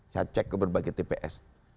saya cek ke berbagai tps